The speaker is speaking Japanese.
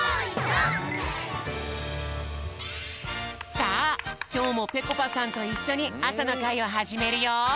さあきょうもぺこぱさんといっしょにあさのかいをはじめるよ！